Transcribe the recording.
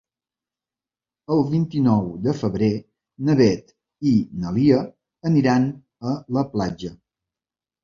El vint-i-nou de febrer na Beth i na Lia aniran a la platja.